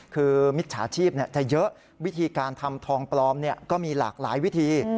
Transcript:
คือมิจฉาชีพจะเยอะวิธีการทำทองปลอมก็มีหลากหลายวิธี